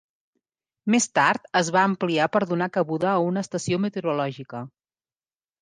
Més tard es va ampliar per donar cabuda a una estació meteorològica.